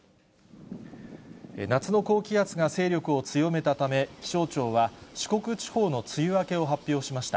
夏の高気圧が勢力を強めたため、気象庁は、四国地方の梅雨明けを発表しました。